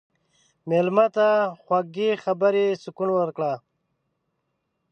مېلمه ته د خوږې خبرې سکون ورکړه.